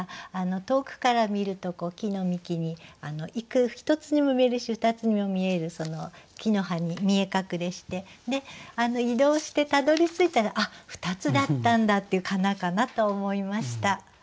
遠くから見ると木の幹に１つにも見えるし２つにも見えるその木の葉に見え隠れして移動してたどりついたらあっ２つだったんだっていう「かな」かなと思いました。